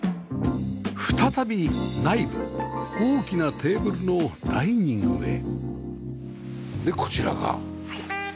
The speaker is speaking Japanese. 再び内部大きなテーブルのダイニングへでこちらが。